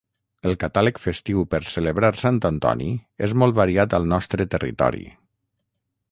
El catàleg festiu per celebrar Sant Antoni és molt variat al nostre territori.